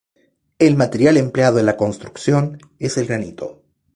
El material empleado en la construcción es el granito.